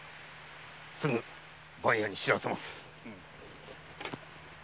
すぐ番屋に報せます。